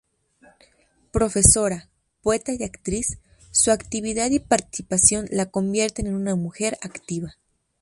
Profesora, poeta y actriz, su actividad y participación la convierten en una mujer activa.